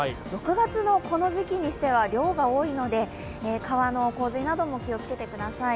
６月のこの時期にしては量が多いので、川の洪水なども気をつけてください。